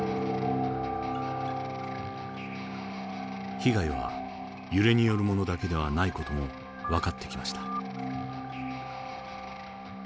被害は揺れによるものだけではない事も分かってきました。